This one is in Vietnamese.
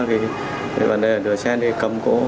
thì vấn đề là đưa xe đi cầm cố